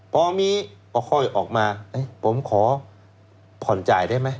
พอมีออกมาผมขอผ่อนจ่ายได้ไหม